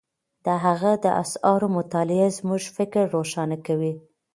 د هغه د آثارو مطالعه زموږ فکر روښانه کوي.